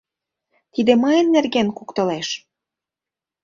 Тиде мыйын нерген куктылеш.